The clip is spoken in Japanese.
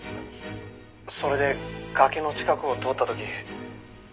「それで崖の近くを通った時この人が」